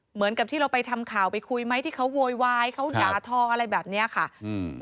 เหมือนกับที่เราไปทำข่าวไปคุยไหมที่เขาโวยวายเขาด่าทออะไรแบบเนี้ยค่ะอืม